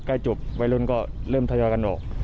ใกล้จบวัยรุ่นก็เริ่มทยอยกันออก